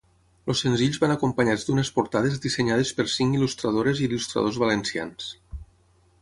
Els senzills van acompanyats d'unes portades dissenyades per cinc il·lustradores i il·lustradors valencians.